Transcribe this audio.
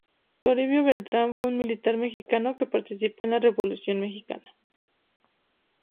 Toribio Beltrán fue un militar mexicano que participó en la Revolución mexicana.